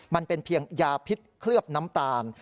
มันเป็นเพียงยาพิษเคลือบน้ำตาล